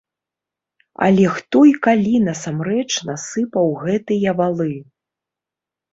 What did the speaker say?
Але хто і калі насамрэч насыпаў гэтыя валы?